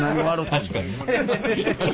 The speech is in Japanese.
確かにな。